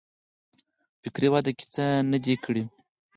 په فکري وده کې څه نه دي کړي.